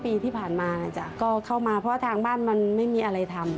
ปีที่ผ่านมานะจ๊ะก็เข้ามาเพราะทางบ้านมันไม่มีอะไรทำ